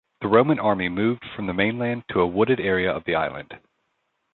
The Roman army moved from the mainland to a wooded area of the island.